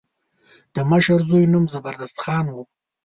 د مشر زوی نوم زبردست خان و.